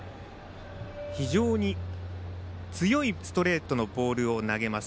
非常に強いストレートのボールを投げます。